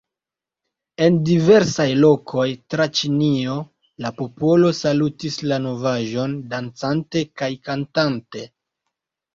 En diversaj lokoj tra Ĉinio la popolo salutis la novaĵon, dancante kaj kantante.